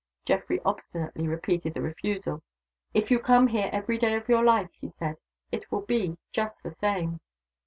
Geoffrey obstinately repeated the refusal. "If you come here every day of your life," he said, "it will be just the same."